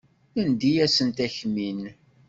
Nendi-asent akmin.